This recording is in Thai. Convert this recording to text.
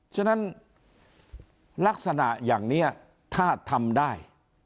ฉะนั้นลักษณะอย่างนี้ถ้าทำได้